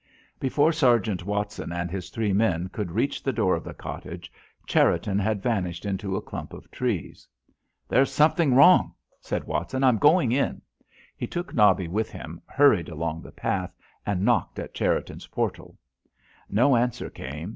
Before Sergeant Watson and his three men could reach the door of the cottage, Cherriton had vanished into a clump of trees. "There's something wrong!" said Watson. "I'm going in." He took Nobby with him, hurried along the path, and knocked at Cherriton's portal. No answer came.